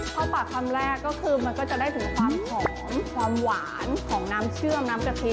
เข้าปากคำแรกก็คือมันก็จะได้ถึงความหอมความหวานของน้ำเชื่อมน้ำกะทิ